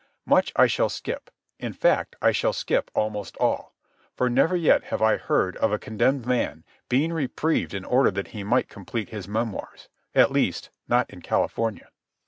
Much I shall skip; in fact, I shall skip almost all; for never yet have I heard of a condemned man being reprieved in order that he might complete his memoirs—at least, not in California.